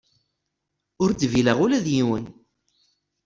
Ur dbileɣ ula d yiwen.